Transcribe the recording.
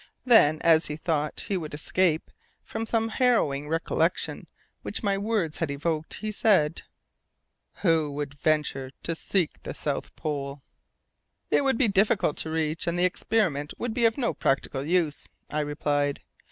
Then, as though he would escape from some harrowing recollection which my words had evoked, he said, "Who would venture to seek the South Pole?" "It would be difficult to reach, and the experiments would be of no practical use," I replied.